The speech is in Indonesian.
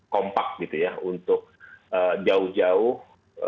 kompak gitu ya untuk jauh jauh